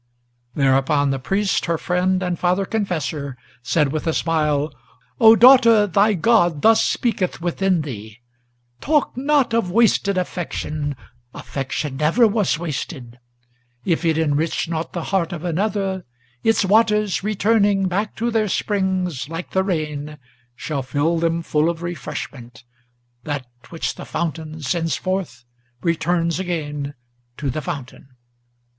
Thereupon the priest, her friend and father confessor, Said, with a smile, "O daughter! thy God thus speaketh within thee! Talk not of wasted affection, affection never was wasted; If it enrich not the heart of another, its waters, returning Back to their springs, like the rain, shall fill them full of refreshment; That which the fountain sends forth returns again to the fountain.